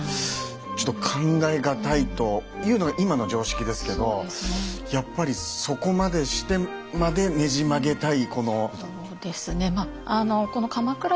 ちょっと考え難いというのが今の常識ですけどやっぱりそこまでしてまでねじ曲げたいこの。